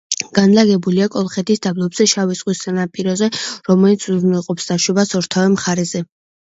განლაგებულია კოლხეთის დაბლობზე, შავი ზღვის სანაპიროზე, რომელიც უზრუნველყოფს დაშვებას ორთავე მხარეზე.